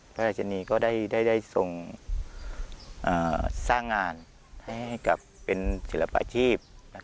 พระราชินีก็ได้ส่งสร้างงานให้กับเป็นศิลปาชีพ